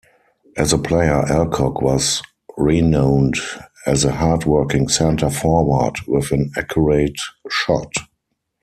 As a player, Alcock was renowned as a hard-working centre-forward with an accurate shot.